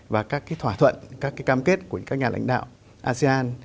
và các thỏa thuận các cái cam kết của các nhà lãnh đạo asean